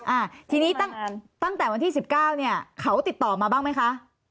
อ่าทีนี้ตั้งแต่วันที่สิบเก้าเนี่ยเขาติดต่อมาบ้างไหมคะ